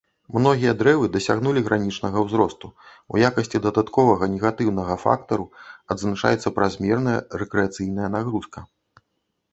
Многія дрэвы дасягнулі гранічнага ўзросту, у якасці дадатковага негатыўнага фактару адзначаецца празмерная рэкрэацыйная нагрузка.